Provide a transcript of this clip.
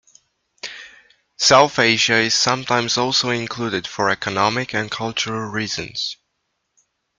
South Asia is sometimes also included for economic and cultural reasons.